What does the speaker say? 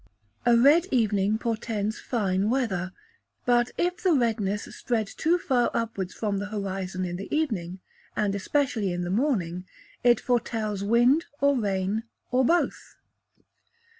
A red evening portends fine weather; but if the redness spread too far upwards from the horizon in the evening, and especially in the morning, it foretells wind or rain, or both.